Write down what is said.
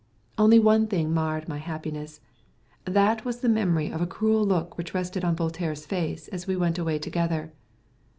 Only one thing marred my happiness. That was the memory of a cruel look which rested on Voltaire's face as we went away together.